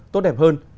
tốt đẹp hơn